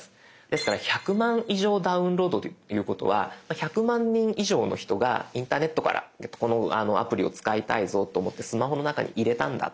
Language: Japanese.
ですから１００万以上ダウンロードということは１００万人以上の人がインターネットからこのアプリを使いたいぞと思ってスマホの中に入れたんだ